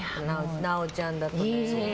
直ちゃんだとね。